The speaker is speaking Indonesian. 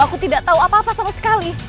aku tidak tahu apa apa sama sekali